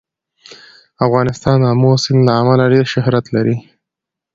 افغانستان د آمو سیند له امله ډېر شهرت لري.